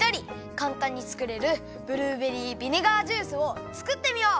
かんたんに作れるブルーベリービネガージュースを作ってみよう！